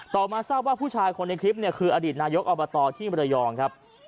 ต่อมาเศร้าบ้าผู้ชายคนในคลิปเนี่ยคืออดีตนายกอร์บตอว์ที่มิรธยองครับ